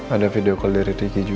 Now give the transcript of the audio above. ada video call dari tki juga